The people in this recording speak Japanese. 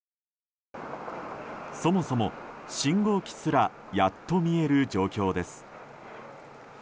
そもそも、信号機すらやっと見える状況です。